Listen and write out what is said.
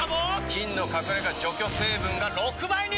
菌の隠れ家除去成分が６倍に！